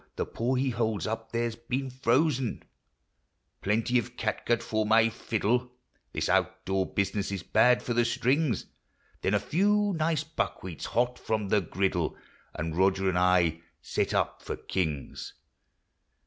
The paw he holds up there 's been frozen), Plenty of catgut for my fiddle (This out door business is bad for the strings), Then a few nice buckwheats hot from the griddle, And Roger and I set up for kings